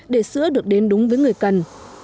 để sữa được đến đúng với người cần